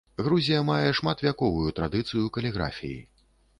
Грузія мае шматвяковую традыцыю каліграфіі.